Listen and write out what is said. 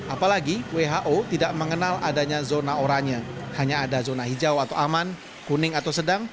apalagi who tidak mengenal adanya zona oranye hanya ada zona hijau atau aman kuning atau sedang